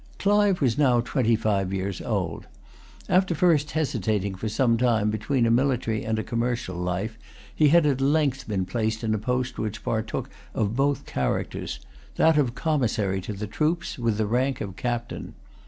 Clive was now twenty five years old. After hesitating for some time between a military and a commercial life, he had at length been placed in a post which partook of both characters, that of commissary to the troops, with the rank of captain.